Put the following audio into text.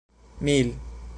mil